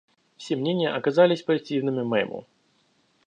Все мнения оказались противными моему.